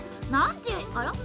あら？